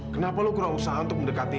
kenapa lo kurang usaha untuk mendekati